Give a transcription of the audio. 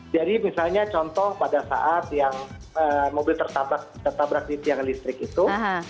jadi misalnya contoh pada saat yang mobil tersabat tersabat di tiang listrik itu